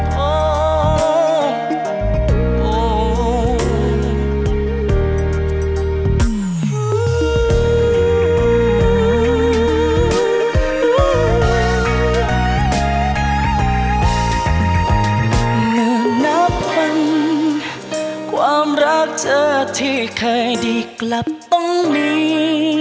เหมือนหน้าวันความรักเธอที่เคยดีกลับต้องมี